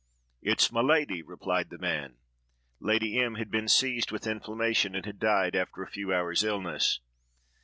"It's my lady!" replied the man. Lady M—— had been seized with inflammation, and died after a few hours' illness.